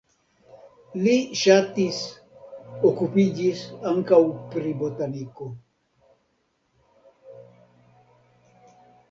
Li ŝatis okupiĝis ankaŭ pri botaniko.